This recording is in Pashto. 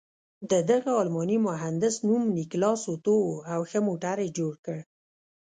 د دغه الماني مهندس نوم نیکلاس اتو و او ښه موټر یې جوړ کړ.